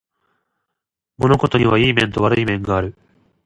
物事にはいい面と悪い面がある